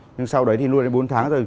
nhưng sau đấy thì nuôi đến bốn tháng rồi